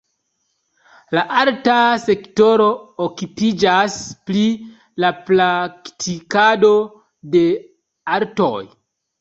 La arta sektoro okupiĝas pri la praktikado de artoj.